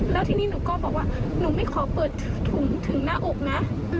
แล้วทีนี้หนูก็บอกว่าหนูไม่ขอเปิดถุงถึงหน้าอกนะ